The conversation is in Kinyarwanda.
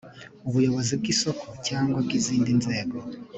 ubuyobozi bw’isoko cyangwa bw’izindi nzego